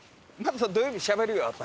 土曜日しゃべるよ私。